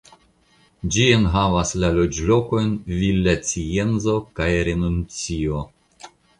Ĝi enhavas la loĝlokojn Villacienzo kaj Renuncio.